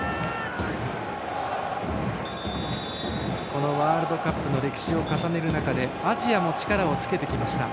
このワールドカップの歴史を重ねる中でアジアも力をつけてきました。